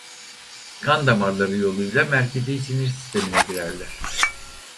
Kan damarları yoluyla merkezî sinir sistemine girerler.